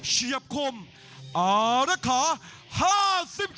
ทุกคนทุกคนขอบคุณ